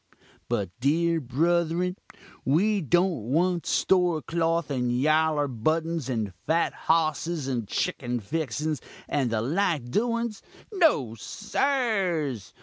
"But, dear bruthrun, we don't want store cloth and yaller buttins, and fat hossis and chickin fixins, and the like doins no, sirs!